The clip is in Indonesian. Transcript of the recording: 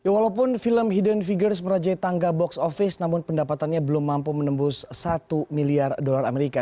walaupun film hidden figures merajai tangga box office namun pendapatannya belum mampu menembus satu miliar dolar amerika